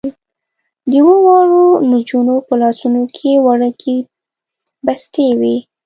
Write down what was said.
د اوو واړو نجونو په لاسونو کې وړوکې بستې وې.